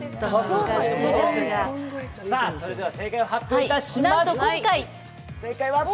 それでは正解を発表いたします。